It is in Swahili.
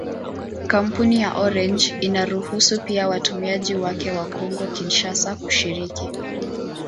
Kampuni ya Orange inaruhusu pia watumiaji wake wa Kongo-Kinshasa kushiriki.